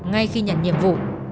ngay khi nhận nhiệm vụ